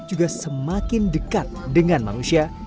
juga semakin dekat dengan manusia